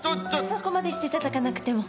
そこまでしていただかなくても。